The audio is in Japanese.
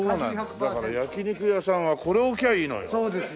だから焼き肉屋さんはこれを置きゃいいのよ。